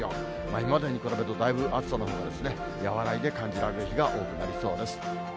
これまでに比べるとだいぶ暑さのほうは和らいで感じられる日が多くなりそうです。